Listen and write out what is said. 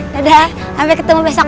dadah sampe ketemu besok